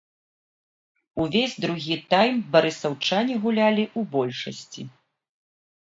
Увесь другі тайм барысаўчане гулялі ў большасці.